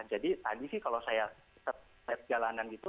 jadi tadi sih kalau saya tetap jalanan gitu